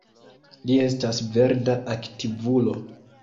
Li estas verda aktivulo.